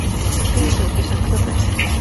另一种是沈刻本。